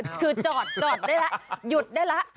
คือจอดจอดได้แล้วหยุดได้แล้ว